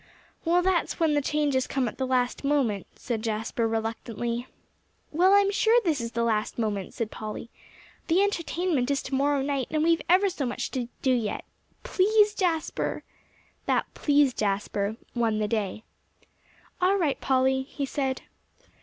"Well, that's when the changes come at the last moment," said Jasper reluctantly. "Well, I'm sure this is the last moment," said Polly. "The entertainment is to morrow night, and we've ever so much to do yet. Please, Jasper." That "please, Jasper," won the day. "All right, Polly," he said.